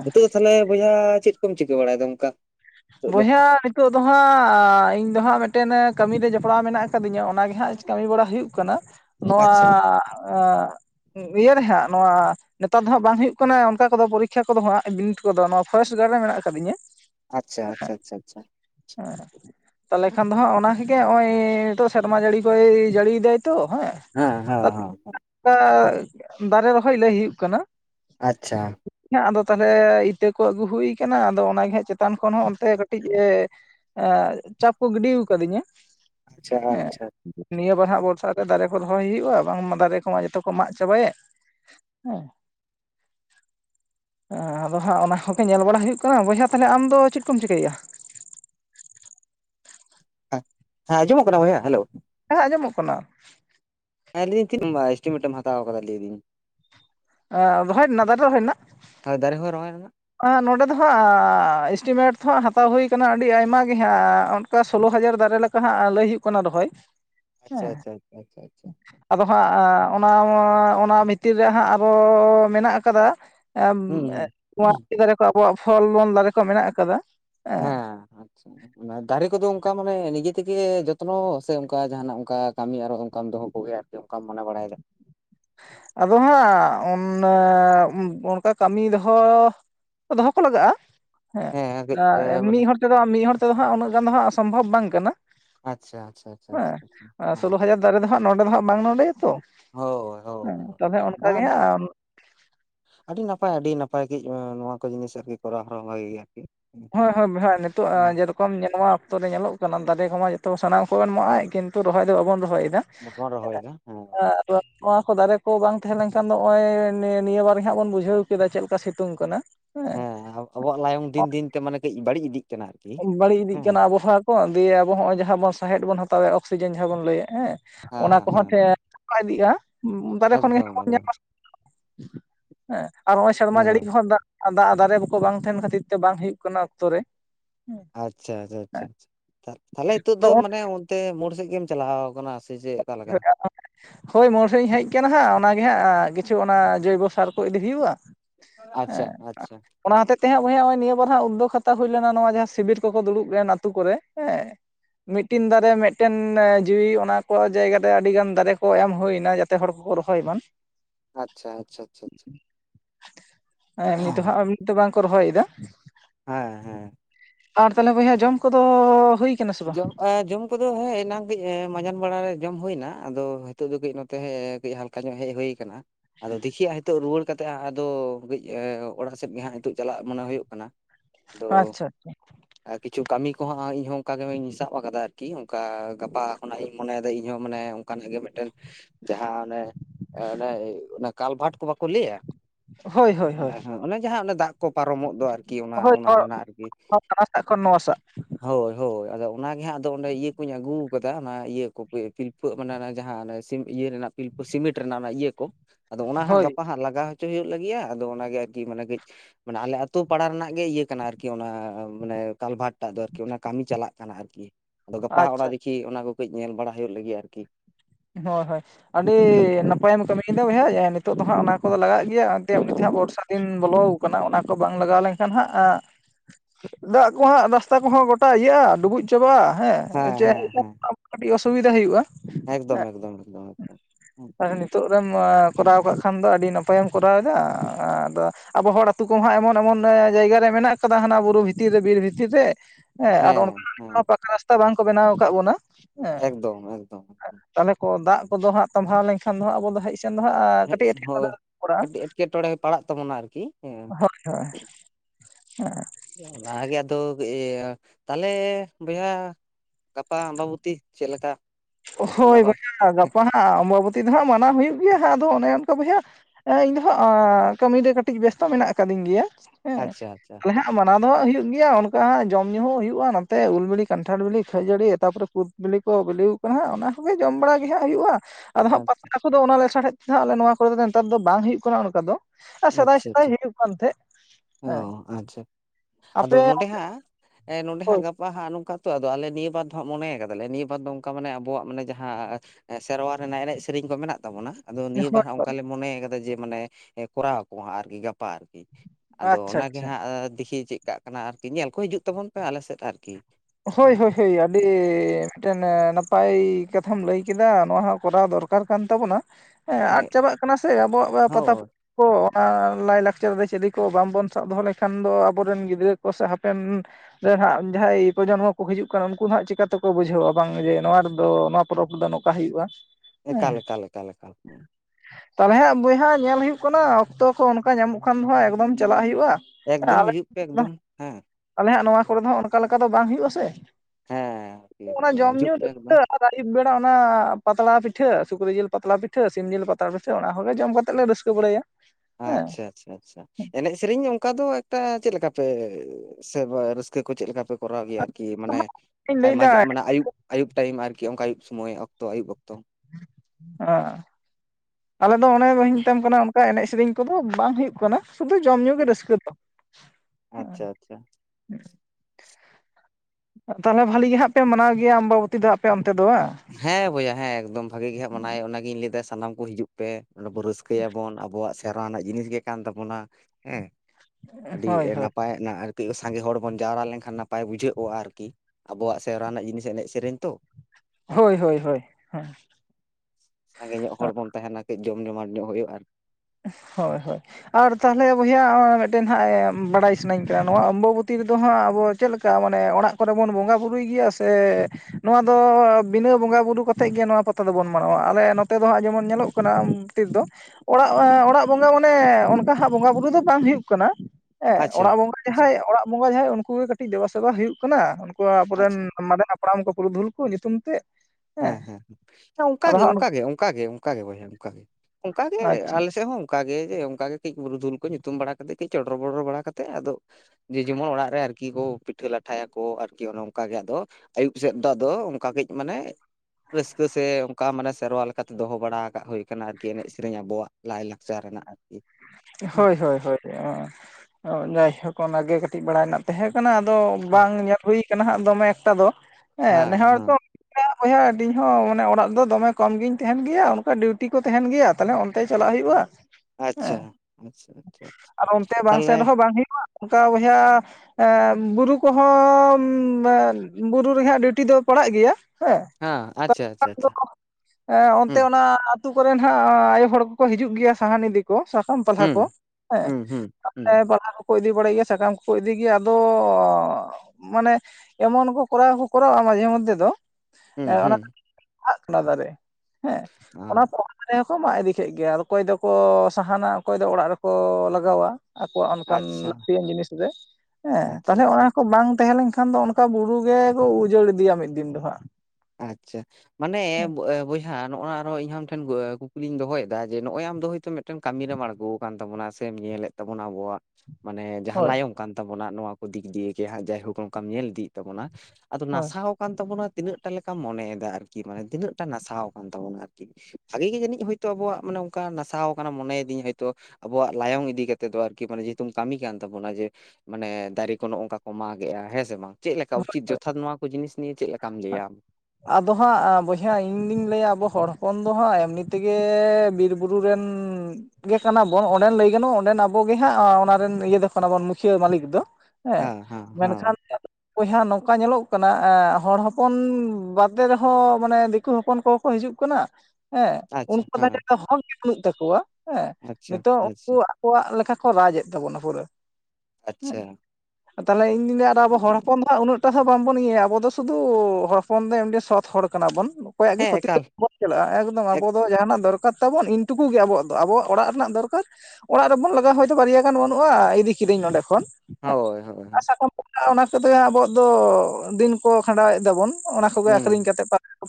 ᱱᱤᱛᱳᱜ ᱫᱚ ᱛᱟᱞᱦᱮ ᱵᱚᱭᱦᱟ ᱪᱮᱫ ᱠᱚᱢ ᱪᱤᱠᱟᱹ ᱵᱟᱲᱟᱭᱮᱫᱟ ᱚᱱᱠᱟ? ᱱᱤᱛᱚᱜ ᱫᱚ? ᱵᱚᱭᱦᱟ ᱱᱤ ᱛᱳᱜ ᱫᱚ ᱦᱟᱸᱜ ᱤᱧ ᱫᱚ ᱦᱟᱸᱜ ᱢᱤᱫᱴᱮᱱ ᱠᱟᱹᱢᱤ ᱨᱮ ᱡᱚᱯᱲᱟᱣ ᱢᱮᱱᱟᱜ ᱟᱠᱟᱫᱤᱧᱟ ᱚᱱᱟᱜᱮ ᱦᱟᱸᱜ ᱠᱟᱹᱢᱤ ᱵᱟᱲᱟ ᱦᱩᱭᱩᱜ ᱠᱟᱱᱟ ᱾ ᱱᱚᱣᱟ ᱟᱪᱪᱷᱟ ᱟᱸᱜ ᱵᱤᱨ-ᱨ ᱦᱟᱸᱜ ᱱᱚᱣᱟ-ᱟᱸ ᱱᱮᱛᱟᱨ ᱫᱚ ᱦᱟᱸᱜ ᱵᱟᱝ ᱦᱳᱭᱳᱜ ᱠᱟᱱᱟ ᱚᱱᱠᱟ ᱠᱚᱫᱚ ᱯᱚᱨᱤᱠᱠᱷᱟ ᱠᱚᱫᱚ ᱦᱟᱜ ᱵᱤᱱᱤᱴ ᱠᱚᱫᱚ ᱱᱚᱣᱟ ᱯᱷᱚᱨᱮᱥᱴ ᱜᱟᱨᱰ ᱨᱮ ᱢᱮᱱᱟᱜ ᱟᱠᱟᱫᱤᱧᱟ ᱾ ᱟᱪ-ᱪᱷᱟ ᱼᱟᱪᱷᱟ -ᱪᱷᱟ -ᱪᱷᱟ ᱾ ᱟ ᱛᱟᱞᱦᱮ ᱠᱷᱟᱱ ᱫᱚ ᱦᱟᱸᱜ ᱚᱱᱟ ᱠᱮᱜᱮ ᱱᱚᱜ-ᱚᱭ ᱱᱤᱛᱚᱜ ᱥᱮᱨᱢᱟ ᱡᱟᱹᱲᱤ ᱠᱚᱭ ᱡᱟᱹᱲᱤᱭᱫᱟᱭ ᱛᱚ ᱦᱮᱸ ᱦᱮᱸ -ᱦᱮᱸ -ᱦᱚᱸ ᱾ ᱮᱸᱻᱜ ᱫᱟᱨᱮ ᱨᱚᱦᱚᱭ ᱞᱟᱹᱭ ᱦᱩᱭᱩᱜ ᱠᱟᱱᱟ ᱾ ᱟᱪ-ᱪᱷᱟ ᱾ ᱦᱮᱸ ᱟᱫᱚ ᱛᱟᱞᱦᱮᱮ ᱤᱛᱟᱹ ᱠᱚ ᱟᱹᱜᱩ ᱦᱩᱭ ᱠᱟᱱᱟ ᱟᱫᱚ ᱚᱱᱟᱜᱮ ᱦᱟᱸᱜ ᱪᱮᱫ ᱪᱮᱛᱟᱱ ᱠᱷᱚᱱ ᱦᱚᱸ ᱚᱱᱛᱮ ᱠᱟᱹᱴᱤᱡ ᱪᱟᱯ ᱠᱚ ᱜᱤᱰᱤᱭ ᱟᱠᱟᱫᱤᱧᱟ ᱟᱪᱪᱷᱟ ᱦᱮᱸᱜ ᱟᱪᱪᱷᱟ ᱱᱤᱭᱟᱹ ᱵᱟᱨᱦᱟᱸᱜ ᱵᱚᱨᱥᱟ ᱫᱟᱨᱮ ᱠᱚ ᱨᱚᱦᱚᱭ ᱦᱳᱭᱳᱜᱼᱟ, ᱵᱟᱝᱢᱟ ᱫᱟᱨᱮ ᱠᱚᱢᱟ ᱡᱚᱛᱚ ᱠᱚ ᱢᱟᱜ ᱪᱟᱵᱟᱭᱮᱫ, ᱦᱮᱸ ᱾ ᱟᱫᱚ ᱦᱟᱸᱜ ᱚᱱᱟ ᱠᱚᱜᱮ ᱧᱮᱞ ᱵᱟᱲᱟ ᱦᱩᱭᱳᱜ ᱠᱟᱱᱟ ᱾ ᱵᱚᱭᱦᱟ ᱛᱟᱞᱦᱮ ᱟᱢ ᱫᱚ ᱪᱮᱫ ᱠᱚᱢ ᱪᱤᱠᱟᱹᱭᱮᱜ-ᱟ? ᱦᱮᱸ, ᱟᱡᱚᱢᱚᱜ ᱠᱟᱱᱟ ᱵᱚᱭᱦᱟ ᱦᱮᱞᱳ? ᱦᱮᱸ, ᱟᱸᱡᱚᱢᱚᱜ ᱠᱟᱱᱟ ᱾ ᱦᱮᱸ, ᱪᱮᱫ ᱦᱚᱸᱵᱟᱝ ᱮᱥᱴᱤᱢᱮᱴ ᱮᱢ ᱦᱟᱛᱟᱣ ᱟᱠᱟᱫᱟ ᱞᱟᱹᱭ ᱵᱤᱱ? ᱮ ᱨᱚᱦᱚᱭ ᱨᱮᱱᱟᱜ ᱫᱟᱨᱮᱹ ᱨᱚᱦᱚᱭ ᱨᱮᱱᱟᱜ? ᱦᱮᱸ ᱫᱟᱨᱮᱹᱦᱚᱸ ᱨᱚᱦᱚᱭ ᱨᱮᱱᱟᱜ ᱟᱸ ᱱᱚᱸᱰᱮ ᱫᱚ ᱦᱟᱸᱜ ᱮᱥᱴᱤᱢᱮᱴ ᱫᱚ ᱦᱟᱸᱜ ᱦᱟᱛᱟᱣ ᱦᱳᱭ ᱠᱟᱱᱟ ᱟᱹᱰᱤ ᱟᱭᱢᱟ ᱜᱮ ᱦᱟᱸᱜ, ᱚᱱ ᱠᱟ ᱥᱳᱞᱳ ᱦᱟᱡᱟᱨ ᱫᱟᱨᱮ ᱞᱮᱠᱟ ᱦᱟᱸᱜ ᱞᱟᱹᱭ ᱦᱳᱭᱳᱜ ᱠᱟᱱᱟ ᱨᱚᱦᱚᱭ ᱾ ᱯᱷᱟᱸᱠᱟ ᱜᱮᱭᱟ ᱾ ᱦᱮᱸᱦ ᱾ ᱟᱫᱚ ᱦᱟᱸᱜ ᱚᱱᱟ ᱚᱱᱟ ᱵᱷᱤᱛᱤᱨ ᱨᱮ ᱦᱟᱸᱜ ᱟᱨᱚ ᱢᱮᱱᱟᱜ ᱠᱟᱫᱟ ᱮ ᱦᱩᱸ ᱦᱩᱸ ᱱᱚᱣᱟ ᱡ [inaudible] ᱫᱟᱨᱮ ᱠᱚ ᱟᱵᱚᱣᱟᱜ ᱯᱷᱚᱞ ᱰᱚᱞ ᱫᱟᱨᱮ ᱠᱚ ᱢᱮᱱᱟᱜ ᱟᱠᱟᱫᱟ᱾ ᱦᱮᱸ ᱦᱮᱸ ᱾ ᱫᱟᱨᱮᱹ ᱠᱚᱫᱚ ᱚᱱᱠᱟ ᱢᱟᱱᱮ ᱱᱤᱡᱮ ᱛᱮᱜᱮ ᱡᱚᱛᱱᱚ ᱥᱮ ᱚᱱᱠᱟ ᱡᱟᱦᱟᱱᱟᱜ ᱚᱱᱠᱟ ᱠᱟᱹᱢᱤ ᱟᱨᱚ ᱚᱱᱠᱟᱢ ᱫᱚᱦᱚ ᱠᱚᱜᱮᱭᱟ ᱟᱨᱠᱤ ᱚᱱᱠᱟᱢ ᱢᱚᱱᱮ ᱵᱟᱲᱟᱭ ᱫᱟ? ᱟᱫᱚ ᱦᱟᱸᱜ ᱚᱱ-ᱚᱱᱠᱟ ᱠᱟᱢᱤ ᱫᱚᱦᱚ ᱫᱚᱦᱚ ᱠᱚ ᱞᱟᱜᱟᱜᱼᱟ, ᱦᱮᱸ ᱠᱟᱹᱡ ᱮᱸ ᱮᱢᱱᱤ ᱢᱟᱱᱮ ᱦᱚᱲ ᱛᱮᱫᱚ ᱢᱤᱫ ᱦᱚᱲ ᱛᱮᱫᱚ ᱦᱟᱸᱜ ᱩᱱᱟᱹᱜ ᱜᱟᱱ ᱫᱚ ᱦᱟᱸᱜ ᱥᱚᱢᱵᱷᱚᱵᱽ ᱵᱟᱝ ᱠᱟᱱᱟ᱾ ᱟᱪ-ᱪᱷᱟ -ᱪᱷᱟ -ᱪᱷᱟ, ᱩᱸ -ᱦᱚᱸ ᱾ ᱫᱟᱨᱮᱹ ᱫᱚ ᱦᱟᱸᱜ ᱱᱚᱸᱰᱮ ᱫᱚ ᱦᱟᱸᱜ ᱵᱟᱝ ᱱᱚᱸᱰᱮᱭᱟ ᱾ ᱦᱳᱭ ᱦᱳᱭ ᱦᱳᱭ ᱚᱱᱠᱟ ᱜᱮ ᱵᱟᱱᱡ ᱦᱟᱸᱜ ᱟᱹᱰᱤ ᱱᱟᱯᱟᱭ ᱟᱹᱰᱤ ᱱᱟᱯᱟᱭ ᱠᱤ ᱱᱚᱣᱟ ᱠᱚ ᱡᱤᱱᱤᱥ ᱟᱨᱠᱤ ᱠᱚᱨᱟᱣ ᱦᱚᱸ ᱵᱷᱟᱜᱤ ᱜᱮᱭᱟ ᱟᱨᱠᱤ᱾ ᱦᱳᱭ ᱦᱳᱭ ᱦᱮ ᱱᱤᱛᱚᱜ ᱟ ᱡᱮᱨᱚᱠ ᱠᱚᱢ ᱧᱮᱞᱣᱟ ᱚᱠᱛᱚ ᱨᱮ ᱧᱮᱞᱚᱜ ᱠᱟᱱᱟ ᱫᱟᱨᱮ ᱠᱚᱢᱟ ᱡᱚᱛᱚ ᱥᱟᱱᱟᱢ ᱠᱚᱵᱮᱱ ᱢᱟᱜ ᱮᱜ ᱠᱤᱱᱛᱩ ᱨᱚᱦᱚᱭ ᱫᱚ ᱵᱟᱵᱚᱱ ᱨᱚᱦᱚᱭᱮᱫᱟ᱾ ᱢᱚᱴᱚᱣᱟ ᱨᱚᱦᱚᱭ ᱫᱟ ᱦᱮᱸ, ᱚ ᱱᱚᱣᱟ ᱠᱚ ᱫᱟᱨᱮ ᱠᱚ ᱵᱟᱝ ᱛᱟᱦᱮᱸ ᱞᱮᱱᱠᱷᱟᱱ ᱫᱚ ᱚᱜᱼᱚᱭ ᱱᱤᱭᱟᱹ ᱱᱤᱭᱟᱹ ᱵᱟᱨ ᱦᱟᱸᱜ ᱵᱚᱱ ᱵᱩᱡᱷᱟᱹᱣ ᱠᱮᱫᱟ ᱪᱮᱫ ᱞᱮᱠᱟ ᱥᱤᱛᱩᱝ ᱠᱟᱱᱟ᱾ ᱮᱸ, ᱟᱵᱼᱟᱵᱚᱣᱟᱜ ᱞᱟᱭᱚᱝ ᱫᱤᱱ ᱫᱤᱱᱛᱮ ᱢᱟᱱᱮ ᱠᱟᱹᱡ ᱵᱟᱹᱲᱤᱜ ᱤᱫᱤᱜ ᱠᱟᱱᱟ ᱟᱨᱠᱤ ᱵᱟᱹᱲᱤᱜ ᱤᱫᱤᱜ ᱦᱮᱸ ᱠᱟᱱᱟ ᱟᱵᱚ ᱥᱟᱣᱠᱚ ᱫᱤᱭᱮ ᱟᱵᱚ ᱦᱚᱸᱜᱼᱚᱭ ᱡᱟᱦᱟᱸ ᱵᱚᱱ ᱥᱟᱦᱮᱸᱫ ᱵᱚᱱ ᱦᱟᱛᱟᱣᱮᱫ-ᱟ ᱚᱠᱥᱤᱡᱮᱱ ᱡᱟᱦᱟᱸ ᱵᱚᱱ ᱞᱟᱹᱭᱮᱜ ᱦᱮᱸ᱾ ᱚᱱᱟ ᱦᱮᱸ ᱠᱚᱦᱚᱸ ᱦᱮᱸ ᱴᱮᱱ [unintelligible] ᱤᱫᱤᱜᱼᱟ ᱫᱟᱨᱮ ᱠᱷᱚᱱ ᱜᱮᱜ ᱮᱠᱫᱚᱢ ᱵᱚᱱ ᱮᱠᱫᱚᱢ ᱧᱟᱢᱟ [unintelligible] ᱦᱮᱸ ᱟᱨ ᱱᱚᱜ-ᱚᱭ ᱥᱮᱨᱢᱟ ᱡᱟᱹᱲᱤ ᱦᱮᱸ ᱠᱚᱦᱚᱸ ᱫᱟᱜᱽ ᱫᱟᱜᱽ ᱫᱟᱨᱮ ᱠᱚ ᱵᱟᱝ ᱛᱟᱦᱮᱱ ᱠᱷᱟᱹᱛᱤᱨ ᱛᱮ ᱵᱟᱝ ᱦᱩᱭᱩᱜ ᱠᱟᱱᱟ ᱚᱠᱛᱚ ᱨᱮ᱾ ᱟᱪᱪᱷᱟ ᱟᱪᱪᱷᱟ ᱟᱪᱪᱷᱟ ᱛᱟᱦᱚᱞᱮ ᱱᱤᱛᱚᱜ ᱟᱫᱚ ᱫᱚ ᱢᱟᱱᱮ ᱚᱱᱛᱮ ᱢᱳᱲ ᱥᱮᱫ ᱜᱮᱢ ᱪᱟᱞᱟᱣ ᱠᱟᱱᱟ, ᱥᱮ ᱪᱮᱜ ᱚᱠᱟ ᱞᱮᱠᱟ? ᱦᱳᱭ ᱢᱳᱲ ᱥᱮᱫ ᱤᱧ ᱦᱮᱜ ᱠᱟᱱᱟ ᱦᱟᱸᱜ ᱚᱱᱟᱜᱮ ᱦᱟᱸᱜ ᱠᱤᱪᱷᱩ ᱚᱱᱟ ᱡᱚᱭᱵᱚ ᱥᱟᱨ ᱠᱚ ᱤᱫᱤ ᱦᱩᱭᱩᱜᱼᱟ᱾ ᱟᱪᱪᱷᱟ ᱦᱮᱸ ᱟᱨ ᱟᱪᱪᱷᱟ ᱚᱱᱟ ᱦᱚᱛᱮᱡ ᱛᱮ ᱦᱟᱸᱜ ᱵᱚᱭᱦᱟ ᱱᱚᱜᱼᱚᱭ ᱱᱤᱭᱟᱹ ᱵᱟᱨ ᱦᱟᱸᱜ ᱩᱫᱽᱫᱳᱜ ᱦᱟᱛᱟᱣ ᱦᱩᱭ ᱞᱮᱱᱟ ᱱᱚᱣᱟ ᱡᱟᱦᱟᱸ ᱥᱤᱵᱤᱨ ᱠᱚᱠᱚ ᱫᱩᱲᱩᱵ ᱜᱮᱭᱟ ᱱᱟᱛᱳ ᱠᱚᱨᱮ ᱦᱮᱸᱻ ᱢᱤᱫᱴᱮᱱ ᱫᱟᱨᱮ ᱢᱮᱫᱴᱮᱱ ᱡᱤᱣᱤ ᱚᱱᱟ, ᱟᱠᱚᱣᱟᱜ ᱡᱟᱭᱜᱟ ᱨᱮ ᱟᱹᱰᱤ ᱜᱟᱱ ᱫᱟᱨᱮ ᱠᱚ ᱮᱢ ᱦᱩᱭᱱᱟ ᱡᱟᱛᱮ ᱦᱚᱲ ᱠᱚᱠᱚ ᱨᱚᱦᱚᱭ ᱢᱟᱱ᱾ ᱟᱪᱪᱷᱟ ᱟᱪᱪᱷᱟ ᱪᱷᱟ ᱼᱪᱷᱟ᱾ ᱮᱢᱱᱤ ᱫᱚ ᱦᱟᱸᱜ ᱢᱤᱫ ᱛᱮ ᱵᱟᱝᱠᱚ ᱨᱚᱦᱚᱭᱮᱫᱟ᱾ ᱦᱮᱸ ᱦᱮᱸ, ᱟᱨ ᱛᱟᱦᱚᱞᱮ ᱵᱚᱭᱦᱟ ᱡᱚᱢ ᱠᱚᱫᱚ ᱦᱩᱭ ᱠᱟᱱᱟ ᱥᱮ ᱵᱟᱝ ᱡᱚᱢ ᱟᱸᱻ ᱡᱚᱢ, ᱠᱚᱫᱚ ᱦᱮᱸ ᱮᱱᱟᱝ ᱠᱟᱹᱡ ᱢᱟᱡᱟᱱ ᱵᱮᱸᱲᱟ ᱨᱮ ᱡᱚᱢ ᱦᱩᱭ ᱮᱱᱟ ᱟᱫᱚ ᱱᱤᱛᱚᱜ ᱫᱚ ᱠᱟᱹᱡ ᱱᱚᱛᱮ ᱠᱟᱹᱡ ᱦᱟᱞᱠᱟ ᱧᱚᱜ ᱦᱮᱡ ᱦᱩᱭ ᱟᱠᱟᱱᱟ᱾ ᱟᱫᱚ ᱫᱤᱠᱷᱤ ᱦᱟᱸᱜ ᱦᱤᱛᱳᱜ ᱨᱩᱣᱟᱹᱲ ᱠᱟᱛᱮᱫ ᱦᱟᱸᱜ ᱟᱫᱚ ᱠᱟᱹᱡ ᱮᱸ ᱚᱲᱟᱜ ᱥᱮᱫ ᱜᱮ ᱦᱟᱸᱜ ᱦᱤᱛᱳᱜ ᱪᱟᱞᱟᱜ ᱢᱚᱱᱮ ᱦᱩᱭᱩᱜ ᱠᱟᱱᱟ᱾ ᱟᱪᱪᱷᱟ ᱟᱪᱪᱷᱟ᱾ ᱟᱨ ᱠᱤᱪᱷᱩ ᱠᱟᱹᱢᱤ ᱠᱚᱦᱚᱸ ᱟᱨ ᱤᱧ ᱦᱚᱸ, ᱚᱱᱠᱟᱜᱤᱧ ᱥᱟᱵ ᱟᱠᱟᱫᱟ ᱟᱨᱠᱤ ᱚᱱᱠᱟ ᱜᱟᱯᱟ ᱠᱷᱚᱱᱟᱜ ᱤᱧ ᱢᱚᱱᱮᱭᱮᱫᱟ ᱤᱧᱦᱚᱸ ᱢᱟᱱᱮ ᱚᱱᱠᱟᱱᱟᱜ ᱜᱮ ᱢᱤᱫᱴᱮᱱ, ᱡᱟᱦᱟᱸ ᱚᱱᱮ ᱚᱱᱮ ᱠᱟᱞᱵᱷᱟᱴ ᱠᱚ ᱵᱟᱠᱚ ᱞᱟᱹᱭᱟ, ᱦᱳᱭ ᱦᱳᱭ ᱚᱱᱮ ᱦᱳᱭ᱾ ᱦᱮᱸ ᱚᱱᱮ ᱡᱟᱦᱟᱸ ᱚᱱᱮ ᱫᱟᱜᱽ ᱠᱚ ᱯᱟᱨᱚᱢᱚᱜ ᱫᱚ ᱟᱨᱠᱤ ᱚᱱᱟ ᱦᱳᱭ ᱚᱱᱟ ᱨᱮᱱᱟᱜ ᱟᱨᱠᱤ ᱦᱟᱱᱟ ᱥᱟᱜ ᱠᱷᱚᱱ ᱱᱚᱣᱟ ᱥᱟᱜ ᱦᱳᱭ᱾ ᱦᱳᱭ ᱟᱫᱚ ᱚᱱᱟᱜᱮ ᱦᱟᱸᱜ ᱟᱫᱚ ᱚᱸᱰᱮ ᱤᱭᱟᱹ ᱠᱚᱧ ᱟᱹᱜᱩ ᱟᱠᱟᱫᱟ ᱚᱱᱟ ᱤᱭᱟᱹ ᱠᱚ ᱯᱤᱞᱯᱷᱟᱹ ᱢᱟᱱᱮ ᱚᱱᱟ ᱡᱟᱦᱟᱸ ᱚᱱᱮ ᱥᱤᱢ ᱤᱭᱟᱹ ᱨᱮᱱᱟᱜ, ᱯᱤᱞᱯᱷᱟᱹ ᱥᱤᱢᱮᱱᱴ ᱨᱮᱱᱟᱜ ᱚᱱᱟ ᱤᱭᱟᱹ ᱠᱚ ᱟᱫᱚ ᱚᱱᱟ ᱦᱟᱸᱜ ᱦᱳᱭ ᱜᱟᱯᱟ ᱦᱟᱸᱜ ᱞᱟᱜᱟᱣ, ᱦᱚᱪᱚ ᱦᱩᱭᱩᱜ ᱞᱟᱹᱜᱤᱫᱼᱟ᱾ ᱟᱫᱚ ᱚᱱᱟᱜᱮ ᱟᱨᱠᱤ ᱢᱟᱱᱮ ᱠᱟᱹᱡ, ᱢᱟᱱᱮ ᱟᱞᱮ ᱟᱛᱳ ᱯᱟᱲᱟ ᱨᱮᱱᱟᱜ ᱜᱮ ᱤᱭᱟᱹ ᱠᱟᱱᱟ ᱟᱨᱠᱤ ᱚᱱᱟ ᱢᱟᱱᱮ ᱠᱟᱞᱵᱷᱟᱴ ᱴᱟᱜ ᱫᱚ ᱟᱨᱠᱤ ᱚᱱᱟ, ᱠᱟᱹᱢᱤ ᱪᱟᱞᱟᱜ ᱠᱟᱱᱟ ᱟᱨᱠᱤ ᱟᱫᱚ ᱜᱟᱯᱟ ᱦᱟᱸᱜ ᱚᱱᱟ ᱟᱪᱪᱷᱟ ᱫᱤᱠᱷᱤ ᱚᱱᱟ ᱠᱚ ᱠᱟᱹᱡ ᱧᱮᱞ ᱵᱟᱲᱟ ᱦᱩᱭᱩᱜ ᱞᱟᱹᱜᱤᱫ ᱟᱨᱠᱤ᱾ ᱦᱳᱭ ᱦᱳᱭ ᱟᱹᱰᱤ ᱱᱟᱯᱟᱭᱮᱢ ᱠᱟᱹᱢᱤᱠᱮᱫᱟ ᱵᱚᱭᱦᱟ ᱟᱨ ᱱᱤᱛᱚᱜ ᱫᱚ ᱦᱟᱸᱜ ᱚᱱᱟ ᱠᱚᱫᱚ ᱞᱟᱜᱟᱜ ᱜᱮᱭᱟ᱾ ᱮᱢᱱᱤ ᱛᱮ ᱦᱟᱸᱜ ᱵᱚᱨᱥᱟ ᱫᱤᱱ ᱵᱚᱞᱚ ᱠᱟᱱᱟ ᱚᱱᱟ, ᱠᱚ ᱵᱟᱝ ᱞᱟᱜᱟᱣ ᱞᱮᱱᱠᱷᱟᱱ ᱦᱟᱸᱜ ᱫᱟᱜᱽ ᱠᱚ ᱦᱟᱸᱜ ᱨᱟᱥᱛᱟ ᱠᱚᱦᱚᱸ ᱜᱚᱴᱟ ᱤᱭᱟᱹᱜᱼᱟ ᱰᱩᱵᱩᱡ ᱪᱟᱵᱟᱜᱼᱟ ᱦᱮᱸ ᱪᱮᱜ ᱦᱮᱸ ᱦᱮᱸ [unintelligible] ᱠᱟᱹᱴᱤᱡ ᱚᱥᱩᱵᱤᱫᱟ ᱦᱩᱭᱩᱜᱼᱟ᱾ ᱮᱠᱫᱚᱢ ᱮᱠᱫᱚᱢ ᱮᱠᱫᱚᱢ ᱮᱠᱫᱚᱢ᱾ ᱛᱟᱦᱚᱞᱮ ᱱᱤᱛᱚᱜ ᱨᱮᱢ ᱠᱚᱨᱟᱣ ᱠᱟᱜ ᱠᱷᱟᱱ ᱫᱚ ᱟᱹᱰᱤ ᱱᱟᱯᱟᱭᱮᱢ ᱠᱚᱨᱟᱣᱮᱫᱟ ᱟᱫᱚ ᱟᱵᱚ ᱦᱚᱲ, ᱟᱹᱛᱩ ᱠᱚᱦᱚ ᱮᱢᱚᱱ ᱮᱢᱚᱱ ᱡᱟᱭᱜᱟ ᱨᱮ ᱢᱮᱱᱟᱜ ᱠᱟᱫᱟ ᱦᱟᱱᱟ ᱵᱩᱨᱩ ᱵᱷᱤᱛᱤᱨ ᱨᱮ ᱵᱤᱨ ᱵᱷᱤᱛᱤᱨ ᱨᱮ, ᱦᱮᱸ ᱟᱨ ᱚᱱᱠᱟ ᱞᱮᱠᱟ ᱯᱟᱠᱟ ᱨᱟᱥᱛᱟ ᱵᱟᱝ ᱠᱚ ᱵᱮᱱᱟᱣ ᱠᱟᱜ ᱵᱚᱱᱟ᱾ ᱦᱮᱸ ᱮᱠᱫᱚᱢ ᱮᱠᱫᱚᱢ᱾ ᱛᱟᱦᱚᱞᱮ ᱠᱚ ᱫᱟᱜ ᱠᱚᱫᱚ ᱦᱟᱸᱜ ᱛᱟᱢᱵᱷᱟᱹᱣ ᱞᱮᱱᱠᱷᱟᱱ ᱫᱚ ᱦᱟᱸᱜ, ᱟᱵᱚ ᱫᱚ ᱦᱮᱡ ᱥᱮᱱ ᱫᱚ ᱦᱟᱸᱜ ᱠᱟᱹᱴᱤᱡ ᱮᱸᱴᱠᱮᱴᱚᱬᱮᱸ ᱨᱮᱵᱚᱱ ᱯᱟᱲᱟᱜᱼᱟ ᱾ ᱮᱸᱴᱠᱮᱴᱚᱬᱮᱸ ᱯᱟᱲᱟᱜ ᱛᱟᱵᱚᱱᱟ ᱟᱨᱠᱤ ᱦᱮᱸ ᱾ ᱦᱳᱭ ᱚᱱᱟᱜᱮ ᱟᱫᱚ ᱤᱭᱟᱹ ᱛᱟᱦᱚᱞᱮ ᱵᱚᱭᱦᱟ ᱜᱟᱯᱟ ᱟᱢᱵᱟᱵᱩᱛᱤ ᱪᱮᱫ ᱞᱮᱠᱟ? ᱦᱳᱭ ᱢᱚᱱᱳᱵᱷᱟᱵ ᱵᱚᱭᱦᱟ ᱜᱟᱯᱟ ᱦᱟᱸᱜ ᱚᱢᱵᱟᱵᱩᱛᱤ ᱫᱚ ᱦᱟᱸᱜ ᱢᱟᱱᱟᱣ ᱦᱩᱭᱩᱜ ᱜᱮᱭᱟ ᱦᱟᱸᱜ, ᱟᱫᱚ ᱚᱱᱮ ᱚᱱᱠᱟ ᱵᱚᱭᱦᱟ ᱦᱮᱸ ᱤᱧ ᱫᱚ ᱦᱟᱸᱜ ᱠᱟᱹᱢᱤ ᱨᱮ ᱠᱟᱹᱴᱤᱡ ᱵᱮᱥᱛᱚ ᱢᱮᱱᱟᱜ ᱠᱟᱹᱫᱤᱧ ᱜᱮᱭᱟ ᱦᱮᱸ, ᱟᱪᱪᱷᱟ ᱟᱪᱪᱷᱟ ᱛᱟᱦᱚᱞᱮ ᱦᱟᱸᱜ ᱢᱟᱱᱟᱣ ᱫᱚ ᱟᱪᱪᱷᱟ ᱦᱟᱸᱜ ᱦᱩᱭᱩᱜ ᱜᱮᱭᱟ᱾ ᱚᱱᱠᱟ ᱦᱟᱸᱜ ᱡᱚᱢ ᱧᱩ ᱦᱚᱸ ᱦᱩᱭᱩᱜᱼᱟ, ᱱᱚᱛᱮ ᱩᱞ ᱵᱤᱞᱤ ᱠᱟᱱᱴᱷᱟᱲ ᱵᱤᱞᱤ ᱠᱷᱟᱹᱡᱟᱹᱲᱤ ᱛᱟᱯᱚᱨᱮ ᱠᱩ ᱫ ᱵᱤᱞᱤ ᱠᱚ ᱵᱤᱞᱤ ᱟᱠᱟᱱᱟ ᱦᱟᱸᱜ, ᱚᱱᱟ ᱠᱚᱜᱮ ᱡᱚᱢ ᱵᱟᱲᱟ ᱜᱮ ᱦᱟᱸᱜ ᱦᱩᱭᱩᱜᱼᱟ᱾ ᱟᱫᱚ ᱦᱟᱸᱜ ᱯᱟ ᱟᱪᱪᱷᱟ ᱛᱟ ᱠᱚᱫᱚ ᱞᱮᱥᱟᱲᱦᱮᱫ ᱛᱮᱫᱚ ᱟᱞᱮ ᱱᱚᱣᱟ ᱠᱚᱨᱮ ᱫᱚ ᱱᱮᱛᱟᱨ ᱫᱚ ᱵᱟᱝ ᱦᱩᱭᱩᱜ ᱠᱟᱱᱟ ᱚᱱᱠᱟ ᱫᱚ ᱾ ᱮ ᱥᱮᱫᱟᱭ, ᱥᱮᱫᱟᱭ ᱟᱪᱪᱷᱟ ᱦᱩᱭᱩᱜ ᱠᱟᱱ ᱛᱟᱦᱮᱸᱫ ᱦᱮᱸ᱾ ᱚ ᱟᱪᱪᱷᱟ ᱟᱯᱮ [unintelligible] ᱱᱚᱸᱰᱮ ᱦᱳᱭ ᱦᱟᱸᱜ ᱦᱳᱭ ᱜᱟᱯᱟ ᱦᱟᱸᱜ ᱱᱚᱝᱠᱟ ᱛᱚ ᱟᱫᱚ ᱟᱞᱮ ᱱᱤᱭᱟᱹ ᱵᱟᱫ ᱫᱚ ᱦᱟᱸᱜ ᱢᱚᱱᱮ ᱠᱟᱫᱟᱞᱮ, ᱱᱤᱭᱟᱹ ᱵᱟᱫ ᱫᱚ ᱚᱱᱠᱟ ᱢᱟᱱᱮ ᱟᱵᱚᱣᱟᱜ ᱢᱟᱱᱮ ᱡᱟᱦᱟᱸ ᱥᱮᱨᱣᱟ ᱨᱮᱱᱟᱜ ᱮᱱᱮᱡ ᱥᱮᱨᱮᱧ ᱠᱚ ᱢᱮᱱᱟᱜ ᱛᱟᱵᱚᱱᱟ ᱟᱫᱚ ᱱᱤᱭᱟᱹ ᱵᱟᱨ ᱦᱟᱸᱜ ᱚᱱᱠᱟᱞᱮ ᱢᱚᱱᱮᱭ ᱠᱟᱫᱟ ᱡᱮ ᱢᱟᱱᱮ ᱠᱚᱨᱟᱣ ᱟᱠᱚ ᱦᱟᱸᱜ ᱟᱨᱠᱤ ᱜᱟᱯᱟ ᱟᱨᱠᱤ ᱟᱫᱚ ᱟᱪᱪᱷᱟ ᱚᱱᱟ ᱟᱪᱪᱷᱟ ᱜᱮ ᱦᱟᱸᱜ ᱫᱮᱠᱷᱤ ᱪᱮᱫ ᱠᱟᱜ ᱠᱟᱱᱟ, ᱟᱨᱠᱤ ᱧᱮᱞ ᱠᱚ ᱦᱤᱡᱩᱜ ᱛᱟᱵᱚᱱ ᱯᱮ ᱟᱞᱮ ᱥᱮᱫ ᱟᱨᱠᱤ ᱾ ᱦᱳᱭ, ᱦᱳᱭ ᱾ ᱦᱳᱭ ᱟᱹᱰᱤ ᱢᱤᱫᱴᱮᱱ ᱱᱟᱯᱟᱭ ᱠᱟᱛᱷᱟᱢ ᱞᱟᱹᱭ ᱠᱮᱫᱟ, ᱱᱚᱣᱟ ᱦᱚᱸ ᱠᱚᱨᱟᱣ ᱫᱚᱨᱠᱟᱨ ᱠᱟᱱ ᱛᱟᱵᱚᱱᱟ ᱾ ᱦᱮᱸ ᱟᱫ ᱪᱟᱵᱟᱜ ᱠᱟᱱᱟ ᱥᱮ ᱟᱵᱚᱣᱟᱜ ᱯᱟᱛᱟ ᱦᱳᱭ ᱠᱚ ᱚᱱᱟ ᱞᱟᱭᱼᱞᱟᱠᱪᱟᱨ ᱟᱹᱨᱤᱪᱟᱹᱞᱤ ᱠᱚ ᱵᱟᱝ ᱵᱚᱱ ᱥᱟᱵ ᱫᱚᱦᱚ ᱞᱮᱠᱷᱟᱱ ᱫᱚ, ᱟᱵᱚᱨᱮᱱ ᱜᱤᱫᱽᱨᱟᱹ ᱠᱚ ᱥᱮ ᱦᱟᱯᱮᱱ ᱨᱮ ᱦᱟᱸᱜ ᱡᱟᱦᱟᱸᱭ ᱡᱚᱱᱢᱚ ᱠᱚ ᱦᱤᱡᱩᱜ ᱠᱟᱱᱟ᱾ ᱩᱱᱠᱩ ᱱᱟᱜ ᱪᱤᱠᱟᱹᱛᱮᱠᱚ ᱵᱩᱡᱷᱟᱹᱣᱟ ᱵᱟᱝ ᱡᱮ ᱱᱚᱣᱟ ᱨᱮᱫᱚ ᱱᱚᱣᱟ ᱯᱚᱨᱚᱵᱽ ᱨᱮᱫᱚ ᱱᱚᱝᱠᱟ ᱦᱩᱭᱩᱜᱼᱟ ᱾ ᱮᱠᱟᱞ, ᱮᱠᱟᱞ, ᱮᱠᱟᱞ, ᱮᱠᱟᱞ ᱦᱮᱸ ᱾ ᱛᱟᱦᱚᱞᱮ ᱦᱮ ᱵᱚᱭᱦᱟ ᱧᱮᱞ ᱦᱩᱭᱩᱜ ᱠᱟᱱᱟ, ᱚᱠᱛᱚ ᱠᱚ ᱚᱱᱠᱟ ᱧᱟᱢᱚᱜ ᱠᱷᱟᱱ ᱫᱚ ᱦᱟᱸᱜ ᱮᱠᱫᱚᱢ ᱪᱟᱞᱟᱜ ᱦᱩᱭᱩᱜᱼᱟ ᱾ ᱮᱠᱫᱚᱢ ᱦᱤᱡᱩᱜ ᱯᱮ ᱮᱠᱫᱚᱢ ᱦᱮᱸ ᱾ ᱟᱞᱮᱭᱟᱜ ᱱᱚᱣᱟ ᱠᱚᱨᱮ ᱫᱚ ᱚᱱᱠᱟ ᱞᱮᱠᱟ ᱫᱚ ᱵᱟᱝ ᱦᱩᱭᱩᱜᱼᱟ ᱥᱮ ᱦᱮᱸ ᱟᱨᱠᱤ ᱾ ᱚᱱᱟ ᱟᱨᱠᱤ ᱡᱚᱢ ᱦᱤᱡᱩᱜ ᱧᱩ ᱯᱮ ᱮᱠᱫᱚᱢ ᱟᱨ ᱟᱹᱭᱩᱵ ᱵᱮᱲᱟ ᱚᱱᱟ ᱯᱟᱛᱲᱟ ᱯᱤᱴᱷᱟᱹ, ᱥᱩᱠᱨᱤ ᱡᱤᱞ ᱯᱟᱛᱲᱟ ᱯᱤᱴᱷᱟᱹ, ᱥᱤᱢ ᱡᱤᱞ ᱯᱟᱛᱲᱟ ᱯᱤᱴᱟᱹ ᱚᱱᱟ ᱦᱚᱸᱜᱮ ᱡᱚᱢ ᱠᱟᱛᱮ ᱞᱮ ᱨᱟᱹᱥᱠᱟ ᱵᱟᱲᱟᱭᱟ ᱾ ᱟᱪᱪᱷᱟ, ᱟᱪᱪᱷᱟ, ᱟᱪᱪᱷᱟ ᱾ ᱮᱱᱮᱡ ᱥᱮᱨᱮᱧ ᱚᱱᱠᱟ ᱫᱚ ᱮᱠᱞᱟ ᱪᱮᱫ ᱞᱮᱠᱟ ᱯᱮ ᱥᱮ ᱨᱟᱹᱥᱠᱟᱹ ᱠᱚ ᱪᱮᱫ ᱞᱮᱠᱟ ᱯᱮ ᱠᱚᱨᱟᱣ ᱜᱮᱭᱟ ᱟᱨᱠᱤ ᱢᱟᱱᱮ ᱤᱧ ᱟᱭᱢᱟ ᱞᱟᱹᱭᱫᱟ ᱦᱮᱸ ᱢᱟᱱᱮ ᱟᱹᱭᱩᱵ ᱟᱹᱭᱩᱵ ᱴᱟᱭᱤᱢ ᱟᱨᱠᱤ ᱠᱟ ᱟᱹᱭᱩᱵ ᱥᱚᱢᱚᱭ ᱚᱠᱛᱚ ᱟᱹᱭᱩᱵ ᱚᱠᱛᱚ ᱦᱮᱸ ᱟᱞᱮ ᱫᱚ ᱚᱱᱮ ᱵᱟᱹᱧ ᱢᱮᱛᱟᱢ ᱠᱟᱱᱟ, ᱚᱱᱠᱟ ᱮᱱᱮᱡ ᱥᱮᱨᱮᱧ ᱠᱚᱫᱚ ᱵᱟᱝ ᱦᱩᱭᱩᱜ ᱠᱟᱱᱟ ᱾ ᱥᱩᱫᱷᱩ ᱡᱚᱢ ᱧᱩ ᱜᱮ ᱨᱟᱹᱥᱠᱟᱹ ᱫᱚ ᱾ ᱟᱪᱪᱷᱟ, ᱟᱪᱪᱷᱟ ᱾ ᱛᱟᱦᱚᱞᱮ ᱵᱷᱟᱞᱤ ᱜᱮ ᱦᱟᱸᱜ ᱯᱮ ᱢᱟᱱᱟᱣ ᱜᱮᱭᱟ ᱟᱢᱵᱟᱵᱚᱛᱤ ᱫᱚ, ᱟᱯᱮ ᱚᱱᱛᱮ ᱫᱚ ᱵᱟᱝ ᱾ ᱦᱮᱸ ᱵᱚᱭᱦᱟ ᱦᱮᱸ ᱮᱠᱫᱚᱢ ᱵᱷᱟᱜᱤ ᱜᱮ ᱦᱟᱸᱜ ᱢᱟᱱᱟᱣ ᱚᱱᱟᱜᱤᱧ ᱞᱟᱹᱭᱮᱫᱟ ᱥᱟᱱᱟᱢ ᱠᱚ ᱦᱤᱡᱩᱜ ᱯᱮ ᱱᱚᱸᱰᱮ ᱵᱚᱱ ᱨᱟᱹᱥᱠᱟᱹᱭᱟᱵᱚᱱ ᱟᱵᱚᱣᱟᱜ ᱥᱮᱨᱣᱟ ᱨᱮᱱᱟᱜ ᱡᱤᱱᱤᱥ ᱜᱮ ᱠᱟᱱ ᱛᱟᱵᱚᱱᱟ ᱦᱮᱸ ᱾ ᱟᱹᱰᱤ ᱦᱳᱭ ᱦᱳᱭ ᱱᱟᱯᱟᱭ ᱟᱨᱠᱤ ᱥᱟᱸᱜᱮ ᱦᱚᱲ ᱵᱚᱱ ᱡᱟᱣᱨᱟ ᱞᱮᱱᱠᱷᱟᱱ ᱱᱟᱯᱟᱭ ᱵᱩᱡᱷᱟᱹᱜᱼᱟ ᱟᱨᱠᱤ ᱾ ᱟᱵᱚᱣᱟᱜ ᱥᱮᱨᱣᱟ ᱨᱮᱱᱟᱜ ᱡᱤᱱᱤᱥ ᱮᱱᱮᱡ ᱥᱮᱨᱮᱧ ᱛᱚ ᱾ ᱦᱳᱭ, ᱦᱳᱭ, ᱦᱳᱭ ᱦᱮᱸ ᱾ ᱥᱟᱸᱜᱮ ᱧᱚᱜ ᱦᱚᱲ ᱵᱚᱱ ᱛᱟᱦᱮᱱᱟ ᱠᱟᱹᱡᱽ ᱡᱚᱢ ᱡᱚᱢᱟᱴ ᱧᱚᱜ ᱦᱩᱭᱩᱜᱼᱟ ᱾ ᱦᱳᱭ, ᱦᱳᱭ ᱾ ᱟᱨ ᱛᱟᱦᱚᱞᱮ ᱵᱚᱭᱦᱟ ᱢᱤᱫᱴᱮᱱ ᱦᱟᱸᱜ ᱵᱟᱲᱟᱭ ᱥᱟᱱᱟᱧ ᱠᱟᱱᱟ ᱱᱚᱣᱟ ᱚᱢᱵᱟᱵᱚᱛᱤ ᱨᱮᱫᱚ ᱦᱟᱸᱜ ᱟᱵᱚ ᱪᱮᱫ ᱞᱮᱠᱟ ᱢᱟᱱᱮ ᱚᱲᱟᱜ ᱠᱚᱨᱮ ᱵᱚᱱ ᱵᱚᱸᱜᱟ ᱵᱩᱨᱩᱭ ᱜᱮᱭᱟ ᱥᱮ ᱱᱚᱣᱟ ᱫᱚ ᱵᱤᱱᱟᱹ ᱵᱚᱸᱜᱟ ᱵᱩᱨᱩ ᱠᱟᱛᱮᱫ ᱜᱮ, ᱱᱚᱣᱟ ᱯᱟᱛᱟ ᱫᱚᱵᱚᱱ ᱢᱟᱱᱟᱣᱟ᱾ ᱟᱞᱮ ᱱᱚᱛᱮ ᱫᱚ ᱦᱟᱸᱜ ᱡᱮᱢᱚᱱ ᱧᱮᱞᱚᱜ [inaudible] ᱚᱲᱟᱜ ᱚᱲᱟᱜ ᱵᱚᱸᱜᱟ ᱢᱟᱱᱮ ᱚᱱᱠᱟ ᱦᱟᱸᱜ ᱵᱚᱸᱜᱟ ᱵᱩᱨᱩ ᱫᱚ ᱵᱟᱝ ᱦᱩᱭᱩᱜ ᱠᱟᱱᱟ ᱾ ᱦᱮᱸ ᱟᱪᱪᱷᱟ ᱚᱲᱟᱜ ᱵᱚᱸᱜᱟ ᱟᱪᱪᱷᱟ ᱡᱟᱦᱟᱸᱭ ᱚᱲᱟᱜ ᱵᱚᱸᱜᱟ ᱡᱟᱦᱟᱸᱭ ᱩᱱᱠᱩ ᱜᱮ ᱠᱟᱹᱴᱤᱡ ᱫᱮᱵᱟ ᱥᱮᱵᱟ ᱦᱩᱭᱩᱜ ᱠᱟᱱᱟ ᱾ ᱟᱵᱚᱨᱮᱱ ᱟᱪᱪᱷᱟ ᱢᱟᱨᱮᱱ ᱦᱟᱯᱲᱟᱢ ᱠᱚ ᱯᱩᱨᱩᱫᱷᱩᱞ ᱠᱚ ᱧᱩᱛᱩᱢ ᱛᱮ ᱾ ᱦᱮᱸ, ᱦᱮᱸ ᱚᱱᱠᱟ ᱜᱮ, ᱚᱱᱠᱟ ᱜᱮ, ᱚᱱᱠᱟ ᱜᱮ, ᱚᱱᱠᱟ ᱜᱮ ᱵᱚᱭᱦᱟ ᱚᱱᱠᱟᱜᱮ ᱾ ᱟᱪᱪᱷᱟ ᱟᱞᱮ ᱥᱮᱫ ᱦᱚᱸ ᱚᱱᱠᱟ ᱜᱮ ᱡᱮ ᱚᱱᱠᱟ ᱜᱮ ᱠᱟᱹᱡᱽ ᱵᱩᱨᱩᱫᱷᱩᱞ ᱠᱚ ᱧᱩᱛᱩᱢ ᱵᱟᱲᱟ ᱠᱟᱛᱮ ᱠᱟᱹᱡᱽ ᱪᱚᱰᱚᱨ ᱵᱚᱨᱚ ᱵᱟᱲᱟ ᱠᱟᱛᱮᱫ ᱟᱫᱚ ᱡᱮ ᱡᱮᱢᱚᱱ ᱚᱲᱟᱜ ᱨᱮ ᱟᱨᱠᱤ ᱠᱚ ᱯᱤᱴᱷᱟᱹ ᱞᱟᱴᱷᱟᱭᱟᱠᱚ ᱟᱨᱠᱤ ᱚᱱᱮ ᱚᱱᱠᱟ ᱜᱮ᱾ ᱟᱫᱚ ᱟᱹᱭᱩᱵ ᱥᱮᱫ ᱫᱚ ᱟᱫᱚ ᱚᱱᱠᱟ ᱠᱟᱹᱡᱽ ᱢᱟᱱᱮ ᱨᱟᱹᱥᱠᱟᱹ ᱥᱮ ᱚᱱᱠᱟ ᱢᱟᱱᱮ ᱥᱮᱨᱣᱟ ᱞᱮᱠᱟᱛᱮ ᱫᱚᱦᱚ ᱵᱟᱲᱟ ᱟᱠᱟᱫ ᱦᱩᱭ ᱟᱠᱟᱱᱟ ᱟᱨᱠᱤ ᱮᱱᱮᱡ ᱥᱮᱨᱮᱧ ᱟᱵᱚᱣᱟᱜ ᱞᱟᱭᱼᱞᱟᱠᱪᱟᱨ ᱨᱮᱱᱟᱜ ᱟᱨᱠᱤ ᱦᱮᱸ ᱦᱳᱭ, ᱦᱳᱭ, ᱡᱟᱭᱦᱳᱠ ᱚᱱᱟᱜᱮ ᱠᱟᱹᱴᱤᱡ ᱵᱟᱲᱟᱭ ᱨᱮᱱᱟᱜ ᱛᱟᱦᱮᱸ ᱠᱟᱱᱟ ᱾ ᱫᱚ ᱵᱟᱝ ᱧᱮᱞ ᱦᱩᱭ ᱠᱟᱱᱟ ᱦᱟᱸᱜ ᱫᱚᱢᱮ ᱮᱠᱴᱟ ᱫᱚ ᱦᱮᱸ ᱱᱮᱼᱦᱚᱲ ᱛᱚ ᱵᱚᱭᱦᱟ ᱟᱞᱤᱧ ᱦᱚᱸ ᱢᱟᱱᱮ ᱚᱲᱟᱜ ᱫᱚ ᱫᱚᱢᱮ ᱠᱚᱢ ᱜᱤᱧ ᱛᱟᱦᱮᱱ ᱜᱮᱭᱟ, ᱚᱱᱠᱟ ᱰᱤᱩᱴᱤ ᱠᱚ ᱛᱟᱦᱮᱱ ᱜᱮᱭᱟ᱾ ᱛᱟᱦᱚᱞᱮ ᱚᱱᱛᱮ ᱪᱟᱞᱟᱜ ᱦᱩᱭᱩᱜᱼᱟ᱾ ᱟᱪᱪᱷᱟ, ᱦᱮᱸ ᱟᱪᱪᱷᱟ, ᱟᱪᱪᱷᱟ ᱟᱨ ᱚᱱᱛᱮ ᱵᱟᱝ ᱥᱮᱱ ᱛᱟᱦᱚᱞᱮ ᱨᱮᱦᱚᱸ ᱵᱟᱝ ᱦᱩᱭᱩᱜᱼᱟ ᱚᱱᱠᱟ ᱵᱚᱭᱦᱟ ᱵᱩᱨᱩ ᱠᱚᱦᱚᱸ ᱵᱩᱨᱩ ᱨᱮᱭᱟᱜ ᱰᱤᱭᱩᱴᱤ ᱫᱚ ᱯᱟᱲᱟᱜ ᱜᱮᱭᱟ ᱾ ᱦᱮᱸ ᱟᱪᱪᱷᱟ, ᱟᱪᱪᱷᱟ, ᱟᱪᱪᱷᱟ ᱾ ᱚᱱᱛᱮ ᱚᱱᱟ ᱟᱛᱳ ᱠᱚᱨᱮᱱ ᱦᱟᱸᱜ ᱟᱭᱳ ᱦᱚᱲ ᱠᱚᱠᱚ ᱦᱤᱡᱩᱜ ᱜᱮᱭᱟ ᱥᱟᱦᱟᱱ ᱤᱫᱤ ᱾ ᱥᱟᱠᱟᱢ ᱯᱟᱞᱦᱟ ᱠᱚ ᱦᱩᱸ ᱦᱮᱸ ᱦᱩᱸ ᱦᱩᱸ ᱦᱩᱸ [inaudible] ᱠᱚ ᱤᱫᱤ ᱵᱟᱲᱟᱭ ᱜᱮᱭᱟ᱾ ᱥᱟᱠᱟᱢ ᱠᱚᱠᱚ ᱤᱫᱤ ᱜᱮᱭᱟ ᱟᱫᱚ ᱢᱟᱱᱮ ᱮᱢᱚᱱ ᱠᱚ ᱠᱚᱨᱟᱣ ᱠᱚ ᱠᱚᱨᱟᱣᱟ ᱢᱟᱡᱷᱮ ᱢᱚᱫᱽᱫᱷᱮ ᱫᱚ ᱦᱩᱸ ᱚᱱᱟ ᱦᱩᱸ [inaudible] ᱠᱟᱱᱟ ᱫᱟᱨᱮ ᱦᱮᱸ ᱚᱱᱟ ᱠᱚ ᱢᱟᱱᱮ ᱦᱚᱸᱠᱚ ᱢᱟᱜ ᱤᱫᱤ ᱠᱮᱫ ᱜᱮ ᱟᱨ ᱚᱠᱚᱭ ᱫᱚᱠᱚ ᱥᱟᱦᱟᱱᱟ ᱚᱠᱚᱭ ᱫᱚ ᱚᱲᱟᱜ ᱨᱮᱠᱚ ᱞᱟᱜᱟᱣᱟ ᱾ ᱟᱠᱚᱣᱟᱜ ᱚᱱᱠᱟᱱ ᱟᱪᱪᱷᱟ ᱞᱟᱹᱠᱛᱤᱭᱟᱱ ᱡᱤᱱᱤᱥ ᱨᱮ ᱦᱮᱸ ᱟᱪᱪᱷᱟ ᱛᱟᱦᱚᱞᱮ ᱚᱱᱟ ᱟᱪᱪᱷᱟ ᱠᱚ ᱵᱟᱝ ᱛᱟᱦᱮᱸ ᱞᱮᱱᱠᱷᱟᱱ ᱫᱚ ᱚᱱᱠᱟ ᱵᱩᱨᱩ ᱜᱮᱠᱚ ᱩᱡᱟᱹᱲ ᱤᱫᱤᱭᱟ ᱢᱤᱫ ᱫᱤᱱ ᱫᱚ ᱦᱟᱸᱜ ᱾ ᱟᱪᱪᱷᱟ ᱾ ᱢᱟᱱᱮ ᱵᱚᱭᱦᱟ ᱱᱚᱜᱼᱚᱱᱟ ᱟᱨᱦᱚᱸ ᱤᱧ ᱦᱚᱸ ᱢᱤᱫᱴᱷᱮᱱ ᱠᱩᱠᱞᱤᱧ ᱫᱚᱦᱚᱭᱮᱫᱟ ᱡᱮ ᱱᱚᱜᱼᱚᱭ ᱟᱢ ᱫᱚᱦᱚᱭ ᱛᱚ ᱢᱤᱫᱴᱮᱱ ᱠᱟᱹᱢᱤ ᱨᱮᱢ ᱟᱬᱜᱚᱣ ᱟᱠᱟᱱ ᱛᱟᱵᱚᱱᱟ, ᱥᱮᱢ ᱧᱮᱞᱮᱫ ᱛᱟᱵᱚᱱᱟ ᱟᱵᱚᱣᱟᱜ ᱢᱟᱱᱮ ᱡᱟᱦᱟᱸ ᱦᱳᱭ ᱞᱟᱭᱚᱝ ᱠᱟᱱ ᱛᱟᱵᱚᱱᱟ, ᱱᱚᱣᱟ ᱠᱚ ᱫᱤᱠ ᱫᱤᱭᱮ ᱜᱮ ᱦᱟᱸᱜ ᱡᱟᱭᱦᱳᱠ ᱱᱚᱝᱠᱟᱢ ᱧᱮᱞ ᱤᱫᱤᱭᱮᱫ ᱛᱟᱵᱚᱱᱟ ᱾ ᱟᱫᱚ ᱦᱳᱭ ᱱᱟᱥᱟᱣ ᱟᱠᱟᱱ ᱛᱟᱵᱚᱱᱟ ᱛᱤᱱᱟᱹᱜ ᱴᱟ ᱞᱮᱠᱟᱢ ᱢᱚᱱᱮᱭᱮᱫᱟ ᱟᱨᱠᱤ ᱢᱟᱱᱮ ᱛᱤᱱᱟᱹᱜ ᱴᱟ ᱱᱟᱥᱟᱣ ᱟᱠᱟᱱ ᱛᱟᱵᱚᱱᱟ ᱟᱨᱠᱤ? ᱵᱷᱟᱜᱮ ᱜᱮ ᱡᱟᱹᱱᱤᱡ ᱦᱳᱭᱛᱳ ᱟᱵᱚᱣᱟᱜ ᱢᱟᱱᱮ ᱚᱱᱠᱟ ᱱᱟᱥᱟᱣ ᱠᱟᱱᱟ ᱢᱚᱱᱮᱭᱮᱫᱤᱧ ᱦᱳᱭᱛᱳ ᱾ ᱟᱵᱚᱣᱟᱜ ᱞᱟᱭᱚᱝ ᱤᱫᱤ ᱠᱟᱛᱮᱫ ᱫᱚ ᱟᱨᱠᱤ ᱡᱮᱦᱮᱛᱩ ᱠᱟᱹᱢᱤ ᱠᱟᱱ ᱛᱟᱵᱚᱱᱟ ᱡᱮ ᱢᱟᱱᱮ ᱫᱟᱨᱮ ᱠᱚ ᱱᱚᱜ ᱱᱚᱝᱠᱟ ᱠᱚ ᱢᱟᱜᱮᱫᱼᱟ, ᱦᱮᱸ ᱥᱮ ᱵᱟᱝ? ᱪᱮᱫ ᱞᱮᱠᱟ ᱩᱪᱤᱛ ᱡᱚᱛᱷᱟᱛ ᱱᱚᱣᱟ ᱠᱚ ᱡᱤᱱᱤᱥ ᱱᱤᱭᱟᱹ ᱪᱮᱫ ᱞᱮᱠᱟᱢ ᱞᱟᱹᱭ ᱟᱢ? ᱟᱫᱚ ᱦᱟᱸᱜ ᱵᱚᱭᱦᱟ ᱤᱧ ᱫᱩᱧ ᱞᱟᱹᱭᱟ ᱟᱵᱚ ᱦᱚᱲ ᱦᱚᱯᱚᱱ ᱫᱚ ᱦᱟᱸᱜ ᱮᱢᱱᱤ ᱛᱮᱜᱮ ᱵᱤᱨ ᱵᱩᱨᱩ ᱨᱮᱱ ᱜᱮ ᱠᱟᱱᱟ ᱵᱚᱱ ᱚᱸᱰᱮᱱ ᱞᱟᱹᱭ ᱜᱟᱱᱚᱜᱼᱟ, ᱚᱸᱰᱮ ᱟᱵᱚᱜ ᱜᱮ ᱦᱟᱸᱜ ᱚᱱᱟ ᱨᱮᱱ ᱤᱭᱟᱹ ᱫᱚ ᱠᱟᱱᱟᱵᱚᱱ ᱢᱩᱠᱷᱤᱭᱟᱹ ᱢᱟᱹᱞᱤᱠ ᱫᱚ ᱾ ᱦᱮᱸ ᱢᱮᱱᱠᱷᱟᱱ ᱵᱚᱭᱦᱟ ᱱᱚᱝᱠᱟ ᱧᱮᱞᱚᱜ ᱠᱟᱱᱟ ᱦᱚᱲ ᱦᱚᱯᱚᱱ ᱵᱟᱫᱮ ᱨᱮᱦᱚᱸ ᱢᱟᱱᱮ ᱫᱤᱠᱩ ᱦᱚᱯᱚᱱ ᱠᱚᱦᱚᱸ ᱠᱚ ᱦᱤᱡᱩᱜ ᱠᱟᱱᱟ ᱾ ᱦᱮᱸ ᱟᱪᱪᱷᱟ ᱩᱱᱠᱩ ᱫᱚ ᱦᱮᱸ ᱪᱮᱫᱠᱟ ᱦᱚᱠ ᱜᱮ ᱵᱟᱹᱱᱩᱜ ᱛᱟᱠᱚᱣᱟ, ᱦᱮᱸ ᱟᱪᱪᱷᱟ ᱱᱤᱛᱚᱜ ᱩᱱᱠᱩ ᱟᱪᱪᱷᱟ ᱟᱠᱚᱣᱟᱜ ᱞᱮᱠᱟ ᱠᱚ ᱨᱟᱡᱮᱫ ᱛᱟᱵᱚᱱᱟ ᱯᱩᱨᱟᱹ ᱾ ᱟᱪᱪᱷᱟ ᱾ ᱛᱟᱦᱚᱞᱮ ᱤᱧ ᱫᱚᱧ ᱞᱟᱹᱭᱟ ᱟᱨ ᱟᱵᱚ ᱦᱚᱯᱚᱱ ᱫᱚ ᱦᱟᱸᱜ ᱩᱱᱟᱹᱜ ᱴᱟ ᱫᱚ ᱵᱟᱝ ᱵᱚᱱ ᱤᱭᱟᱹᱭᱟ ᱟᱵᱚ ᱫᱚ ᱥᱩᱫᱷᱩ ᱦᱚᱲ ᱦᱚᱯᱚᱱ ᱫᱚ ᱮᱢᱴᱤ ᱥᱚᱛ ᱦᱚᱲ ᱠᱟᱱᱟ ᱵᱚᱱ᱾ ᱚᱠᱚᱭᱟᱜ ᱜᱮ ᱦᱮᱸ ᱠᱷᱚᱛᱤ ᱮᱠᱟᱞ ᱪᱟᱞᱟᱜᱼᱟ, ᱮᱠᱫᱚᱢ ᱮᱠ ᱟᱵᱚ ᱫᱚ ᱡᱟᱦᱟᱱᱟᱜ ᱫᱚᱨᱠᱟᱨ ᱛᱟᱵᱚᱱ ᱤᱱ ᱴᱩᱠᱩ ᱜᱮ ᱟᱵᱚᱣᱟᱜ ᱫᱚ ᱟᱵᱚᱣᱟᱜ ᱚᱲᱟᱜ ᱨᱮᱱᱟᱜ ᱫᱚᱨᱠᱟᱨ ᱚᱲᱟᱜ ᱨᱮᱵᱚᱱ ᱞᱟᱜᱟᱣᱟ ᱦᱚᱭᱛᱚ ᱵᱟᱨᱭᱟ ᱜᱟᱱ ᱵᱟᱹᱱᱩᱜᱼᱟ ᱤᱫᱤ ᱠᱤᱫᱟᱹᱧ ᱱᱚᱸᱰᱮ ᱠᱷᱚᱱ᱾ ᱦᱳᱭ ᱦᱳᱭ ᱟᱨ ᱦᱳᱭ᱾ ᱚᱱᱟ ᱠᱚᱛᱮᱭᱟ ᱟᱵᱚᱣᱟᱜ ᱫᱚ ᱫᱤᱱ ᱠᱚ ᱠᱷᱟᱸᱰᱟᱣᱮᱫ ᱫᱟᱵᱚᱱ ᱚᱱᱟ ᱠᱚᱜᱮ ᱟᱹᱠᱷᱨᱤᱧ ᱦᱩᱸ ᱠᱟᱛᱮ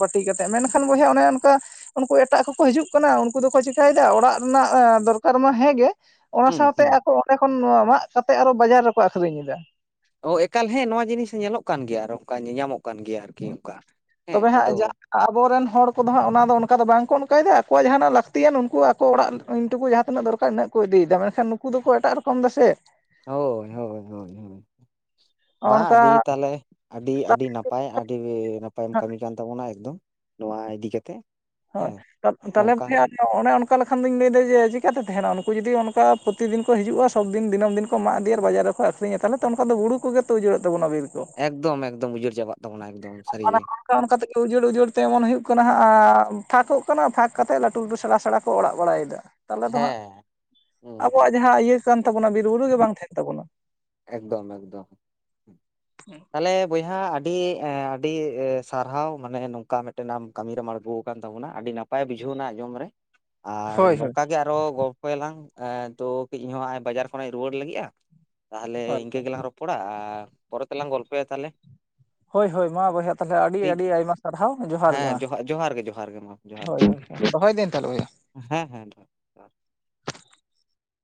ᱯᱟᱹᱴᱤ ᱠᱟᱛᱮᱫ ᱢᱮᱱᱠᱷᱟᱱ ᱵᱚᱭᱦᱟ ᱚᱱᱮ ᱚᱱᱠᱟ ᱩᱱᱠᱩ ᱮᱴᱟᱜ ᱠᱚᱠᱚ ᱦᱤᱡᱩᱜ ᱠᱟᱱᱟ ᱩᱱᱠᱩ ᱫᱚᱠᱚ ᱪᱤᱠᱟᱭᱮᱫᱟ ᱚᱲᱟᱜ ᱨᱮᱱᱟᱜ ᱫᱚᱨᱠᱟᱨ ᱢᱟ ᱦᱮᱸᱜᱮ ᱚᱱᱟ ᱦᱩᱸ ᱥᱟᱶᱛᱮ ᱦᱩᱸ ᱟᱠᱚ ᱚᱸᱰᱮ ᱠᱷᱚᱱ ᱢᱟᱜ ᱠᱟᱛᱮᱜ ᱟᱨᱚ ᱵᱟᱡᱟᱨ ᱨᱮᱠᱚ ᱟᱹᱠᱷᱨᱤᱧ ᱮᱫᱟ᱾ ᱚ ᱮᱠᱟᱞ ᱦᱮᱸ ᱱᱚᱣᱟ ᱡᱤᱱᱤᱥ ᱧᱮᱞᱚᱜ ᱠᱟᱱ ᱜᱮᱭᱟ ᱟᱨ ᱚᱱᱠᱟ ᱧᱟᱧᱟᱢᱚᱜ ᱠᱟᱱ ᱜᱮᱭᱟ᱾ ᱟᱨᱠᱤ ᱚᱱᱠᱟ ᱦᱮᱸ ᱛᱚᱵᱮ ᱦᱟᱸᱜ ᱟᱫᱚ ᱡᱟ ᱟᱵᱚᱨᱮᱱ ᱦᱚᱲ ᱠᱚᱫᱚ ᱦᱟᱸᱜ ᱚᱱᱟ ᱫᱚ ᱚᱱᱠᱟ ᱫᱚ ᱵᱟᱝᱠᱚ ᱚᱱᱠᱟᱭᱮᱫᱟ ᱟᱠᱚᱣᱟᱜ ᱡᱟᱦᱟᱸᱱᱟᱜ ᱞᱟᱹᱠᱛᱤᱭᱟᱱ ᱩᱱᱠᱩ ᱟᱠᱚ ᱚᱲᱟᱜ ᱤᱱᱴᱩᱠᱩ ᱡᱟᱦᱟᱸ ᱛᱤᱱᱟᱹᱜ ᱫᱚᱨ ᱢᱮᱜ ᱠᱚ ᱤᱫᱤᱭᱮᱫᱟ ᱢᱮᱱᱠᱷᱟᱱ ᱱᱩᱠᱩ ᱫᱚᱠᱚ ᱮᱴᱟᱜ ᱨᱚᱠᱚᱢ ᱫᱟᱥ ᱥᱮ᱾ ᱦᱳᱭ ᱦᱳᱭ ᱦᱳᱭ ᱦᱳᱭ᱾ ᱵᱟᱝ ᱚᱱᱠᱟ ᱟᱫᱤ ᱛᱟᱦᱚᱞᱮ ᱟᱹᱰᱤ ᱟᱹᱰᱤ ᱱᱟᱯᱟᱭ ᱟᱹᱰᱤ ᱱᱟᱯᱟᱭᱮᱢ ᱠᱟᱹᱢᱤ ᱠᱟᱱ ᱛᱟᱵᱚᱱᱟ ᱮᱠᱫᱚᱢ ᱱᱚᱣᱟ ᱤᱫᱤ ᱠᱟᱛᱮ ᱦᱳᱭ ᱛᱟ ᱛᱟᱦᱚᱞᱮ [unintelligible] ᱚᱱᱮ ᱚᱱᱠᱟ ᱞᱮᱠᱷᱟᱱ ᱫᱚᱧ ᱞᱟᱹᱭᱫᱟ ᱡᱮ ᱪᱮᱠᱟᱛᱮ ᱛᱟᱦᱮᱸᱱᱟ ᱩᱱᱠᱩ ᱡᱩᱫᱤ ᱚᱱᱠᱟ ᱯᱨᱚᱛᱤᱫᱤᱱ ᱠᱚ ᱦᱤᱡᱩᱜᱼᱟ ᱥᱚᱵᱽ ᱫᱤᱱ ᱫᱤᱱᱟᱹᱢ ᱫᱤᱱ ᱠᱚ ᱢᱟᱜ ᱤᱫᱤᱭᱟ ᱟᱨ ᱵᱟᱡᱟᱨ ᱨᱮ ᱠᱚ ᱟᱹᱠᱷᱨᱤᱧᱟ ᱛᱟᱦᱞᱮ ᱚᱱᱠᱟ ᱫᱚ ᱵᱩᱲᱩ ᱠᱚᱜᱮ ᱛᱚ ᱩᱡᱟᱹᱲᱚᱜ ᱛᱟᱵᱚᱱᱟ ᱵᱤᱨ ᱠᱚ᱾ ᱮᱠᱫᱚᱢ ᱮᱠᱫᱚᱢ ᱩᱡᱟᱹᱲ ᱪᱟᱵᱟᱜ ᱛᱟᱵᱚᱱᱟ ᱮᱠᱫᱚᱢ᱾ ᱚᱱᱟ ᱥᱟᱹᱨᱤᱜᱮ ᱠᱷᱚᱱ ᱚᱱᱠᱟ ᱦᱮᱸ ᱚᱱᱠᱟ ᱛᱮᱜᱮ ᱩᱡᱟᱹᱲ ᱩᱡᱟᱹᱲ ᱛᱮ ᱮᱢᱚᱱ ᱦᱩᱭᱩᱜ ᱠᱟᱱᱟ ᱦᱟᱸᱜ ᱟᱸᱻ ᱯᱷᱟᱸᱠᱚᱜ ᱠᱟᱱᱟ ᱯᱷᱟᱸᱠ ᱠᱟᱛᱮ ᱞᱟᱹᱴᱩ ᱞᱟᱹᱴᱩ ᱥᱮᱬᱟ ᱥᱮᱬᱟ ᱠᱚ ᱚᱲᱟᱜ ᱵᱟᱲᱟᱭᱮᱫᱟ᱾ ᱛᱟᱦᱚᱞᱮ ᱫᱚ ᱦᱟᱸᱜ ᱦᱮᱸ ᱦᱩᱸ ᱟᱵᱚᱣᱟᱜ ᱡᱟᱦᱟᱸ ᱤᱭᱟᱹ ᱠᱟᱱ ᱛᱟᱵᱚᱱᱟ ᱵᱤᱨ ᱵᱩᱨᱩ ᱜᱮ ᱵᱟᱝ ᱛᱟᱦᱮᱸᱱ ᱛᱟᱵᱚᱱᱟ᱾ ᱮᱠᱫᱚᱢ ᱮᱠᱫᱚᱢ᱾ ᱛᱟᱦᱚᱞᱮ ᱵᱚᱭᱦᱟ ᱟᱹᱰᱤ ᱮ ᱟᱹᱰᱤ ᱮ ᱥᱟᱨᱦᱟᱣ ᱢᱟᱱᱮ ᱱᱚᱝᱠᱟ ᱢᱤᱱᱴᱮᱱ ᱟᱢ ᱠᱟᱹᱢᱤ ᱨᱮᱢ ᱟᱬᱜᱚ ᱟᱠᱟᱱ ᱛᱟᱵᱚᱱᱟ ᱟᱹᱰᱤ ᱱᱟᱯᱟᱭ ᱵᱩᱡᱷᱟᱹᱣᱱᱟ ᱟᱸᱡᱚᱢ ᱨᱮ ᱟᱨ ᱦᱳᱭ ᱦᱳᱭ ᱱᱚᱝᱠᱟ ᱜᱮ ᱟᱨᱚ ᱜᱚ ᱨᱚᱯᱚᱭᱟᱞᱟᱝ ᱮ ᱛᱚ ᱠᱟᱹᱴᱤᱡ ᱤᱧᱦᱚᱸ ᱵᱟᱡᱟᱨ ᱠᱷᱚᱱᱤᱧ ᱨᱩᱭᱟᱹᱲ ᱞᱟᱹᱜᱤᱜᱼᱟ ᱛᱟᱦᱚᱞᱮ ᱦᱳᱭ ᱤᱱᱠᱟᱹ ᱜᱮᱞᱟᱝ ᱨᱚᱯ ᱯᱚᱲᱟ ᱟᱨ ᱯᱚᱨᱮ ᱛᱮᱞᱟᱝ ᱜᱚᱞᱯᱚᱭᱟ ᱛᱟᱦᱞᱮ᱾ ᱦᱳᱭ ᱦᱳᱭ ᱢᱟ ᱵᱚᱭᱦᱟ ᱛᱟᱦᱞᱮ ᱟᱰᱤ ᱟᱰᱤ ᱟᱭᱢᱟ ᱥᱟᱨᱦᱟᱣ ᱡᱚᱦᱟᱨ᱾ ᱜᱮ ᱢᱟ ᱦᱮᱸ, ᱡᱚᱦᱟ ᱡᱚᱦᱟᱨ ᱜᱮ ᱡᱚᱦᱟᱨ ᱜᱮ ᱢᱟ ᱛᱟᱦᱞᱮ᱾ ᱦᱳᱭ, ᱫᱚᱦᱚᱭᱫᱟᱹᱧ ᱛᱟᱦᱞᱮ ᱵᱚᱭᱦᱟ᱾ ᱦᱮᱸ ᱦᱮᱸᱫᱚᱦ